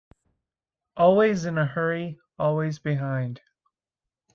Always in a hurry, always behind.